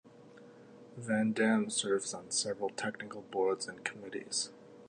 Van Dam serves on several technical boards and committees.